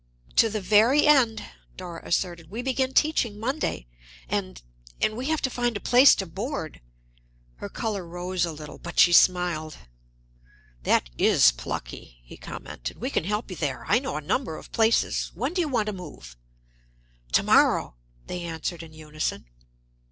"To the very end," Dora asserted. "We begin teaching Monday, and and we have to find a place to board." Her color rose a little, but she smiled. "That is plucky," he commented. "We can help you there; I know a number of places. When do you want to move?" "To morrow," they answered in unison.